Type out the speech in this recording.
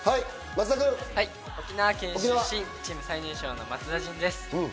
沖縄県出身、１９歳、最年少の松田迅です。